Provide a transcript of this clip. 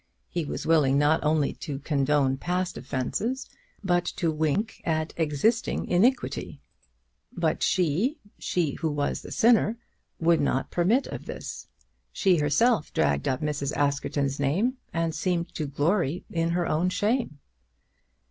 He was willing not only to condone past offences, but to wink at existing iniquity! But she, she who was the sinner, would not permit of this. She herself dragged up Mrs. Askerton's name, and seemed to glory in her own shame.